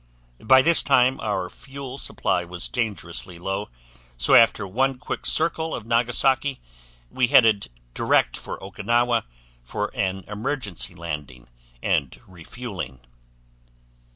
"By this time our fuel supply was dangerously low, so after one quick circle of Nagasaki, we headed direct for Okinawa for an emergency landing and refueling".